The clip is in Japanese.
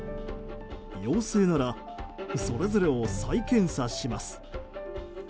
陽性ならそれぞれを再検査します。